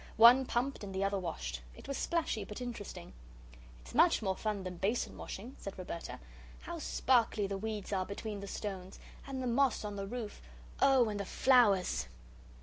One pumped and the other washed. It was splashy but interesting. "It's much more fun than basin washing," said Roberta. "How sparkly the weeds are between the stones, and the moss on the roof oh, and the flowers!"